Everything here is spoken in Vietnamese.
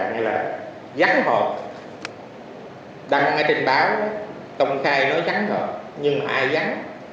đang nghe tin báo công khai nói rắn họp nhưng ai rắn đang nghe tin báo công khai nói rắn họp nhưng ai rắn